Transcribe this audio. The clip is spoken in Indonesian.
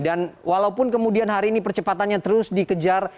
dan walaupun kemudian hari ini percepatannya terus dikejar